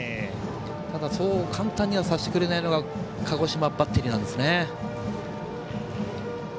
ただ、そう簡単にはさせてくれないのが鹿児島バッテリーですね。